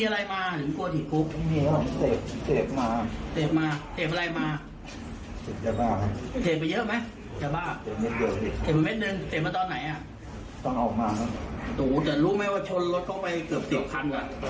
แต่รู้ไหมว่าชนรถเขาไปเกือบ๑๐คัน